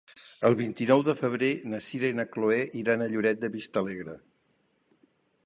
El vint-i-nou de febrer na Sira i na Chloé iran a Lloret de Vistalegre.